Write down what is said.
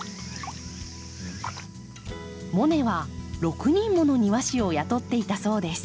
モネは６人もの庭師を雇っていたそうです。